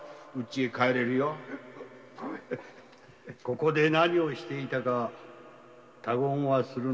ここで何をしていたか他言はするな。